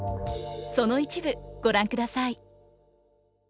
その一部ご覧ください。